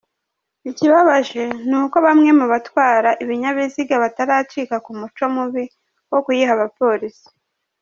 Ikibabaje ni uko bamwe mu batwara ibinyabiziga bataracika ku muco mubi wo kuyiha Abapolisi.